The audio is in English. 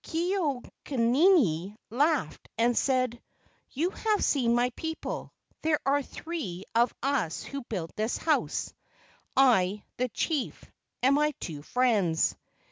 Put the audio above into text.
Ke au nini laughed and said, "You have seen my people: there are three of us who built this house—I, the chief, and my two friends."